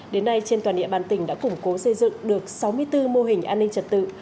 đến nay trên toàn địa bàn tỉnh đã củng cố xây dựng được sáu mươi bốn mô hình an ninh trật tự